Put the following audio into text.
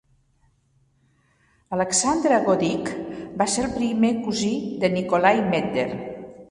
Alexander Goedicke va ser el primer cosí de Nikolai Medtner.